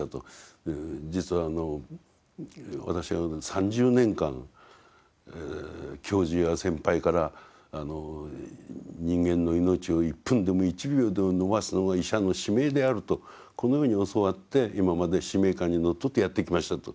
「実は私は３０年間教授や先輩から人間の命を１分でも１秒でも延ばすのが医者の使命であるとこのように教わって今まで使命感にのっとってやってきました」と。